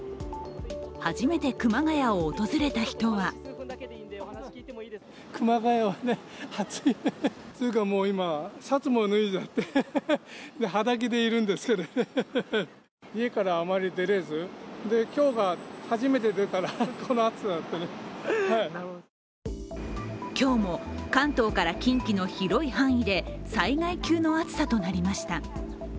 初めて熊谷を訪れた人は今日も関東から近畿の広い範囲で災害級の暑さとなりました。